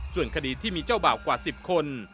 ส่วนคดีที่มีเจ้าบ่าวกว่า๑๐คน